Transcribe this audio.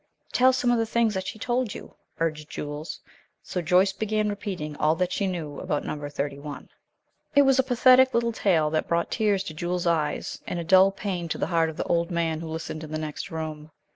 "Tell some of the things that she told you," urged Jules; so Joyce began repeating all that she knew about Number Thirty one. It was a pathetic little tale that brought tears to Jules's eyes, and a dull pain to the heart of the old man who listened in the next room.